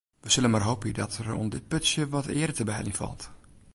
We sille mar hoopje dat der oan dit putsje wat eare te beheljen falt.